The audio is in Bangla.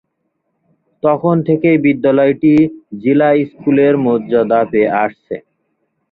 তখন থেকেই বিদ্যালয়টি জিলা স্কুলের মর্যাদা পেয়ে আসছে।